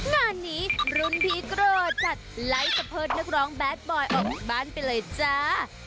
งานนี้รุ่นพี่โกรธจัดไลค์สะเพิดนักร้องแบทบอยออกจากบ้านไปเลยจ้า